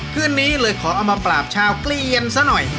คืนนี้เลยขอเอามาปราบชาวเกลียนซะหน่อย